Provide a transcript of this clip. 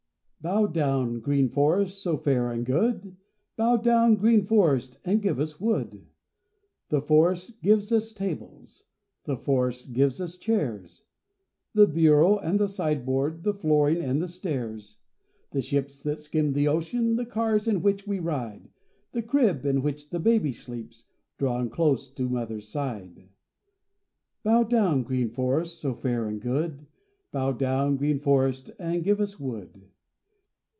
BOW down, green Forest, so fair and good, Bow down, green Forest, and give us wood! The forest gives us tables, The forest gives us chairs, The bureau and the sideboard, The flooring and the stairs; The ships that skim the ocean, The cars in which we ride, The crib in which the baby sleeps, Drawn close to mother's side. Bow down, green Forest, so fair and good, Bow down, green Forest, and give us wood!